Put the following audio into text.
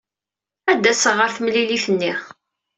Ad d-aseɣ ɣer temlilit-nni.